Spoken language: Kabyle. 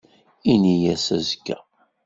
Ini-as azekka.